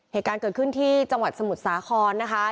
เหตุการณ์เกิดขึ้นที่จังหวัดสมุทรสาครนะคะ